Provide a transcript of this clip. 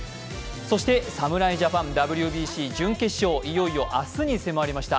そして侍ジャパン、ＷＢＣ準決勝、いよいよ明日に迫りました。